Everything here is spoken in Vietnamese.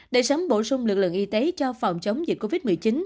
để sớm bổ sung lực lượng y tế cho phòng chống dịch covid một mươi chín